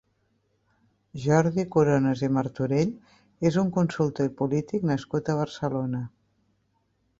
Jordi Coronas i Martorell és un consultor i polític nascut a Barcelona.